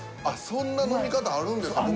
そんな飲み方あるんですね。